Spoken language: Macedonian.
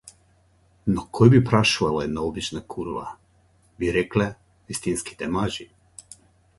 Но кој би прашувал една обична курва, би рекле вистинските мажи.